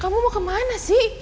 kamu mau kemana sih